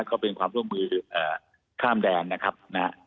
ก็เป็นความร่วมมือข้ามแดนนะครับนะฮะ